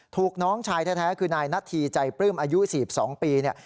น้องชายแท้คือนายนาธีใจปลื้มอายุ๔๒ปีเนี่ย